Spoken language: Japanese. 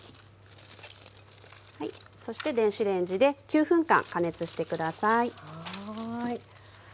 そして電子レンジで９分間加熱して下さい。